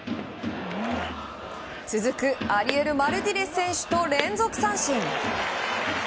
続くアリエル・マルティネス選手と連続三振！